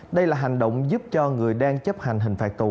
đây là hành động giúp cho người đang chấp hành hình phạt tù